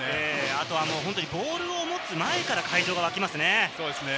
あとはボールを持つ前から、会場が沸きますね。